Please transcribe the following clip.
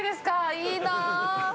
いいなあ。